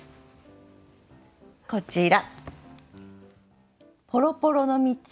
こちら。